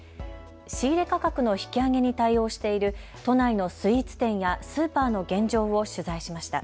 仕入れ価格価格の引き上げに対応している都内のスイーツ店やスーパーの現状を取材しました。